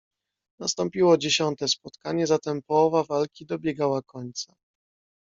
"Nastąpiło dziesiąte spotkanie, zatem połowa walki dobiegała końca."